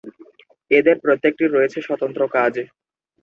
এদের প্রত্যেকটির রয়েছে স্বতন্ত্র কাজ।